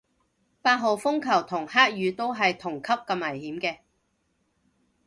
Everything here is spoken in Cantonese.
八號風球同黑雨都係同級咁危險嘅